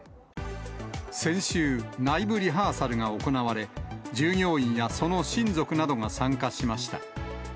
先週、内部リハーサルが行われ、従業員やその親族などが参加しました。